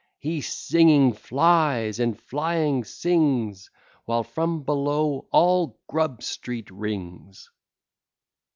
He singing flies, and flying sings, While from below all Grub Street rings.